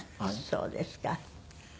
そうですか。